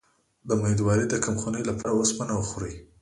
د امیدوارۍ د کمخونی لپاره اوسپنه وخورئ